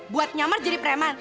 buat nyamar jadi preman